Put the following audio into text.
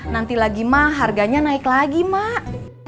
nanti lagi mah harganya naik lagi mak